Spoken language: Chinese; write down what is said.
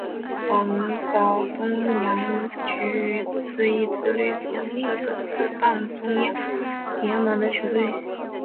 广岛东洋鲤鱼是一支隶属日本职棒中央联盟的球队。